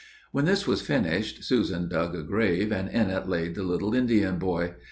When this was finished, Susan dug a grave, and in it laid the little Indian boy.